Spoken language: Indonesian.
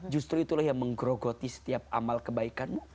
justru itulah yang menggerogoti setiap amal kebaikanmu